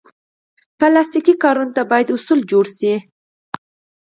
پلاستيکي کارونې ته باید اصول جوړ شي.